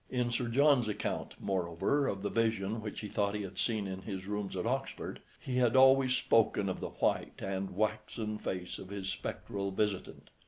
In Sir John's account, moreover, of the vision which he thought he had seen in his rooms at Oxford, he had always spoken of the white and waxen face of his spectral visitant.